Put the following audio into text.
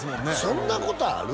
そんなことある？